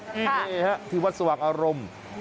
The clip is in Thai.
นี่ฮะที่วัดสว่างอารมณ์